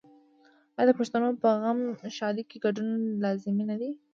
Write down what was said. آیا د پښتنو په غم او ښادۍ کې ګډون لازمي نه وي؟